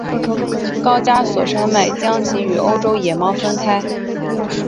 高加索山脉将其与欧洲野猫分开。